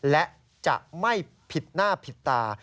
และจะไม่ผิดหน้าผิดตา